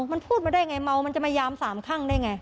มันพูดมาได้ไงเมามันจะมายามสามข้างได้ไง